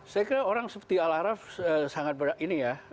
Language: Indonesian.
saya kira orang seperti al araf sangat ini ya